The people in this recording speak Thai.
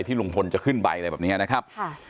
ลุงพลจะขึ้นไปอะไรแบบนี้นะครับ